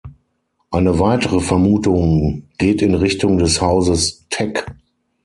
Eine weitere Vermutung geht in Richtung des Hauses Teck.